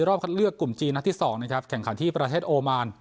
รอบคัดเลือกกลุ่มจีนนัดที่๒นะครับแข่งขันที่ประเทศโอมาน